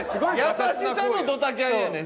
優しさのドタキャンやねん。